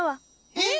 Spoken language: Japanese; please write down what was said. えっ？